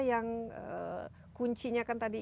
yang kuncinya kan tadi